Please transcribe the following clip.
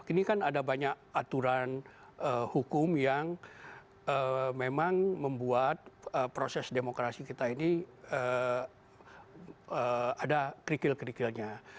ini kan ada banyak aturan hukum yang memang membuat proses demokrasi kita ini ada kerikil kerikilnya